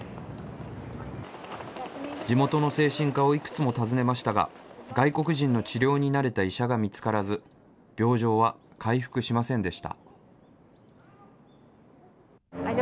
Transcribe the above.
地元の精神科をいくつも訪ねましたが、外国人の治療に慣れた医者が見つからず、病状は回復しませんでした。